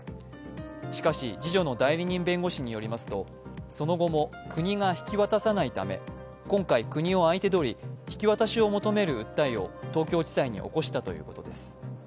しかし次女の代理人弁護士によりますと、その後も国が引き渡さないため今回、国を相手取り引き渡しを求める訴えを東京地裁に起こしたということです。